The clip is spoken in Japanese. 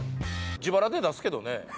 自腹で出すけどね。